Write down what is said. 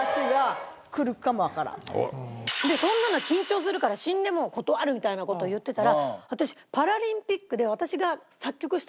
そんなの緊張するから死んでも断るみたいな事を言ってたら。